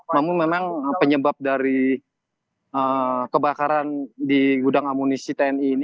namun memang penyebab dari kebakaran di gudang amunisi tni ini